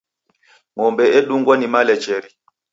Ng'ombe edungwa ni malecheri.